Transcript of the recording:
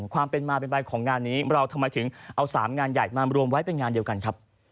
ความเป็นมาเป็นไปของงานนี้เราทำไมถึงเอา๓งานใหญ่มารวมไว้เป็นงานเดียวกันครับ